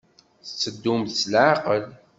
Tetteddumt s leɛqel.